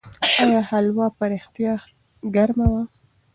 آیا هلوا په رښتیا ګرمه وه؟